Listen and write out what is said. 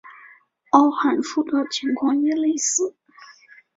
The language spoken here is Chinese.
凹函数的情况也类似。